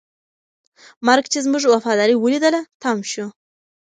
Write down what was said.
مرګ چې زموږ وفاداري ولیدله، تم شو.